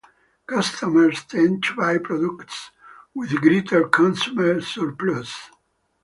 Customers tend to buy products with greater consumer surplus.